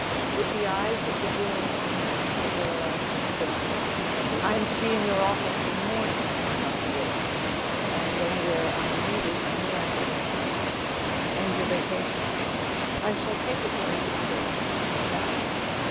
With the eyes of the room on her, the girl answered primly: "I'm to be in your office in the mornings, Dr. Wilson, and anywhere I am needed in the afternoons." "And your vacation?" "I shall take it when Miss Simpson comes back."